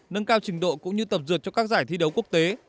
nâng cao trình độ cũng như tập dượt cho các giải thi đấu quốc tế